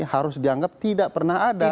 harus dianggap tidak pernah ada